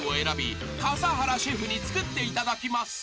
笠原シェフに作っていただきます］